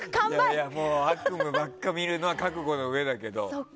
いやいや、もう悪夢ばっか見るのは覚悟のうえだけど。